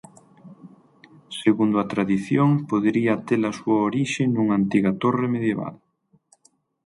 Segundo a tradición podería ter a súa orixe nunha antiga torre medieval